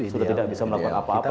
sudah tidak bisa melakukan apa apa